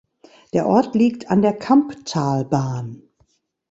Der Ort liegt an der Kamptalbahn.